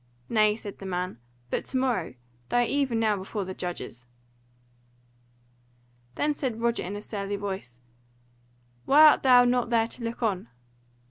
"Nay," said the man, "but to morrow; they are even now before the judges." Then said Roger in a surly voice, "Why art thou not there to look on?"